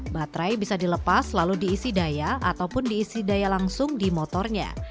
baterai bisa dilepas lalu diisi daya ataupun diisi daya langsung di motornya